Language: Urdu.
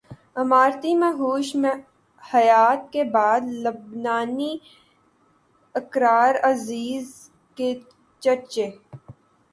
اماراتی مہوش حیات کے بعد لبنانی اقرا عزیز کے چرچے